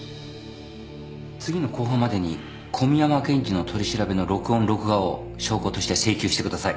次の公判までに小宮山検事の取り調べの録音録画を証拠として請求してください。